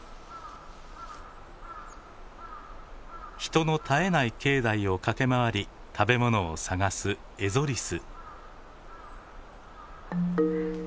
人の絶えない境内を駆け回り食べ物を探すエゾリス。